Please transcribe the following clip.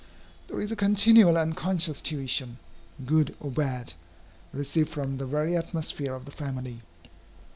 There is a continual unconscious tuition, good or bad, received from the very atmosphere of the family.